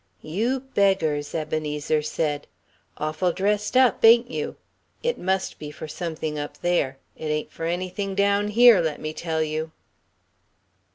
"You beggars," Ebenezer said, "awful dressed up, ain't you? It must be for something up there it ain't for anything down here, let me tell you."